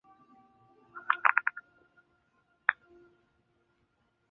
内江市文化广电新闻出版局负责保护和管理全市文物。